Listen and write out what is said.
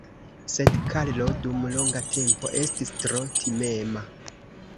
Sed Karlo dum longa tempo estis tro timema.